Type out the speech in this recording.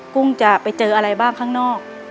กุ้งจะไปเจออะไรบ้างข้างนอก